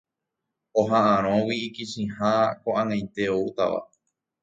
Oha'ãrõgui ikichiha ko'ag̃aite oútava.